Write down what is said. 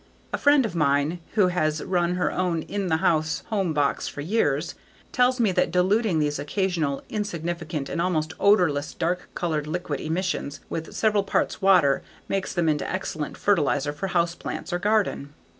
A friend of mine, who has run her own in the house worm box for years, tells me that diluting these occasional, insignificant and almost odorless dark colored liquid emissions with several parts water makes them into excellent fertilizer for house plants or garden.